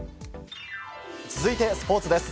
続いてスポーツです。